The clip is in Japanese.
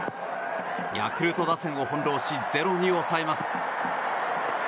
ヤクルト打線を翻弄し０に抑えます。